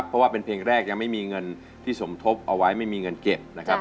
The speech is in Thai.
เพราะว่าเป็นเพลงแรกยังไม่มีเงินที่สมทบเอาไว้ไม่มีเงินเก็บนะครับ